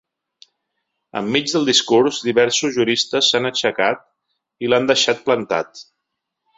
Enmig del discurs, diversos juristes s’han aixecat i l’han deixat plantat.